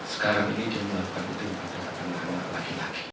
sekarang ini dia melakukan tindakan penyelia jasa prostitusi